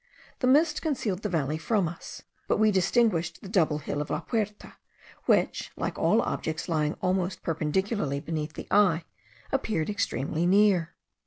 The mist concealed the valley from us; but we distinguished the double hill of La Puerta, which, like all objects lying almost perpendicularly beneath the eye, appeared extremely near.